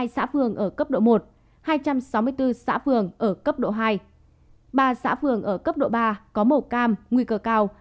một mươi xã phường ở cấp độ một hai trăm sáu mươi bốn xã phường ở cấp độ hai ba xã phường ở cấp độ ba có màu cam nguy cơ cao